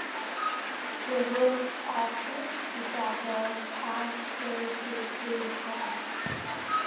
The ruins of this disaster can still be seen today.